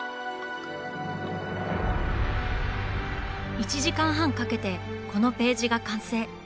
１時間半かけてこのページが完成。